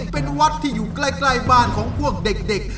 เป็นวัดที่อยู่ใกล้บ้านของพวกเด็ก